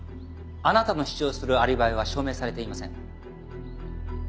あなたの主張するアリバイは証明されていません。